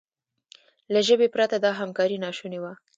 له ژبې پرته دا همکاري ناشونې وه.